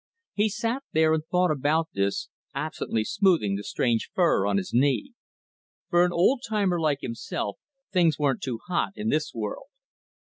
He sat there and thought about this, absently smoothing the strange fur on his knee. For an old timer like himself, things weren't too hot in this world.